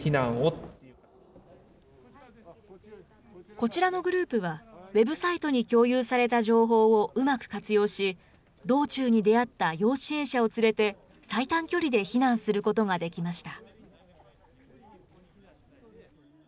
こちらのグループは、ウェブサイトに共有された情報をうまく活用し、道中に出会った要支援者を連れて、最短距離で避難することができました。